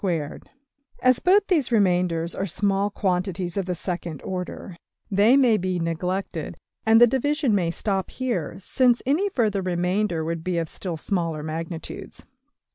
png}% As both these remainders are small quantities of the second order, they may be neglected, and the division may stop here, since any further remainders would be of still smaller magnitudes.